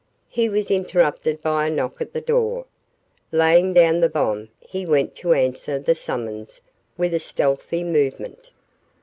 He was interrupted by a knock at the door. Laying down the bomb he went to answer the summons with a stealthy movement.